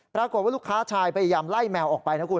ปรากฏว่าลูกค้าชายพยายามไล่แมวออกไปนะคุณ